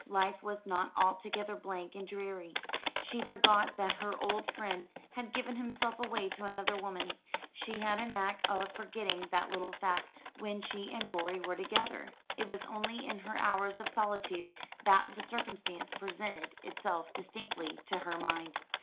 Life was not altogether blank and dreary. She forgot that her old friend had given himself away to another woman. She had a knack of forgetting that little fact when she and Rorie were together. It was only in her hours of solitude that the circumstance presented itself distinctly to her mind.